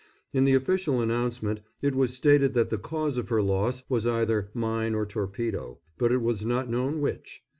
In the official announcement it was stated that the cause of her loss was either mine or torpedo, but it was not known which.